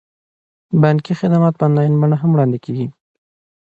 بانکي خدمات په انلاین بڼه هم وړاندې کیږي.